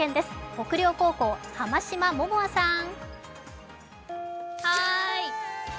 北稜高校、濱嶋桃甘さん！